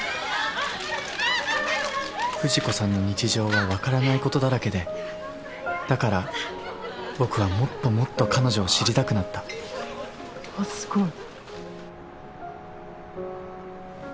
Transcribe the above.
藤子さんの日常は分からないことだらけでだから僕はもっともっと彼女を知りたくなったわっすごい。